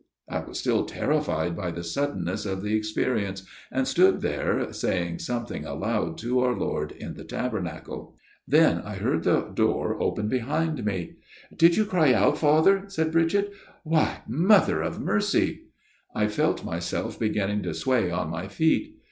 I was still terrified by the suddenness of the experience ; and stood there, saying something aloud to our Lord in the Tabernacle. Then I heard the door open behind me. FATHER GIRDLESTONE'S TALE 109 "Did you cry out, Father," said Bridget, " Why, Mother of Mercy !"" I felt myself beginning to sway on my feet.